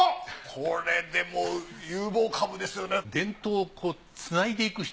これでも有望株ですよね。